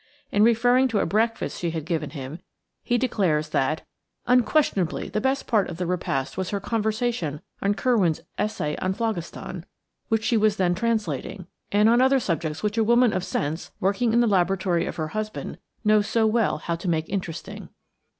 In referring to a breakfast she had given him, he declares that "unquestionably the best part of the repast was her conversation on Kirwan's Essay on Phlogiston, which she was then translating, and on other subjects which a woman of sense, working in the laboratory of her husband, knows so well how to make interesting."